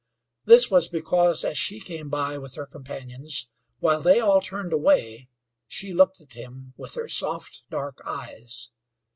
This was because, as she came by with her companions, while they all turned away, she looked at him with her soft, dark eyes.